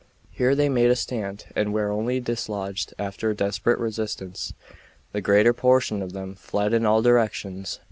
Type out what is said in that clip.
Here they made a stand and were only dislodged after a desperate resistance. The greater portion of them fled in all directions.